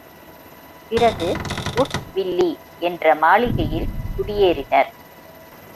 பிறகு வுட்வில்லி என்ற மாளிகையில் குடியேறினர்.